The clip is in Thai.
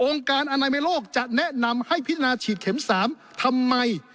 การอนามัยโลกจะแนะนำให้พิจารณาฉีดเข็ม๓ทำไม